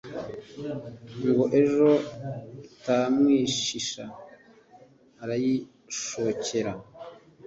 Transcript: ngo ejo itamwishisha arayishokera.